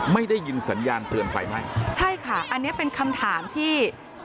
ไม่ได้ยินสัญญาณเตือนไฟไหม้ใช่ค่ะอันนี้เป็นคำถามที่